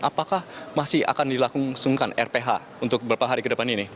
apakah masih akan dilakukan sungkan rph untuk beberapa hari ke depan ini